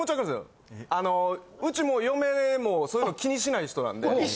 あのうちも嫁もそういうの気にしない人なんで。